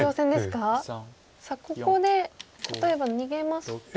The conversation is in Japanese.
さあここで例えば逃げますと。